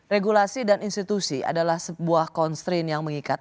regulasi dan institusi adalah sebuah constrain yang mengikat